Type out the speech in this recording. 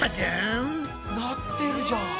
なってるじゃん！